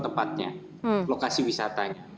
tempatnya lokasi wisatanya